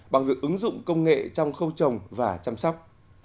bằng việc ứng dụng công nghệ trong khâu trồng và chăm sóc